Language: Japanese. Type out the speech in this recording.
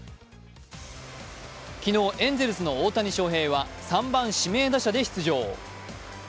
昨日、エンゼルスの大谷翔平は３番・指名打者で出場。